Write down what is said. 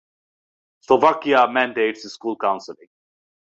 Slovakia mandates school counseling.